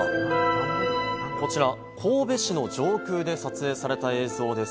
こちら、神戸市の上空で撮影された映像です。